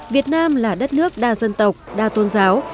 việt nam là đất nước đa dân tộc đa tôn giáo